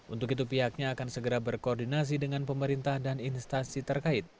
untuk itu pihaknya akan segera berkoordinasi dengan pemerintah dan instansi terkait